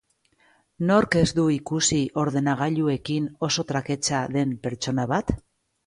Nork ez du ikusi ordenagailuekin oso traketsa den pertsona bat?